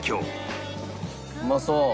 うまそう！